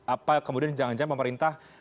apa kemudian jangan jangan pemerintah